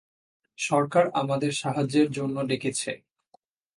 সরকার আমাদের সাহায্যের জন্য ডেকেছে।